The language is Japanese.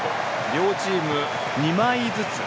両チーム、２枚ずつ。